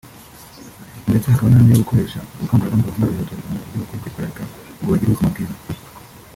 ndetse hakaba n’andi yo gukoresha mu bukangurambaga buhamagarira Abaturarwanda ibyo bakwiye kwitwararika ngo bagire ubuzima bwiza